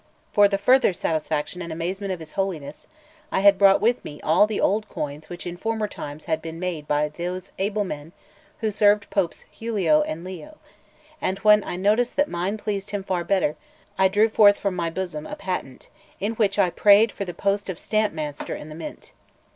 For the further satisfaction and amazement of his holiness, I had brought with me all the old coins which in former times had been made by those able men who served Popes Giulio and Leo; and when I noticed that mine pleased him far better, I drew forth from my bosom a patient, in which I prayed for the post of stamp master in the Mint.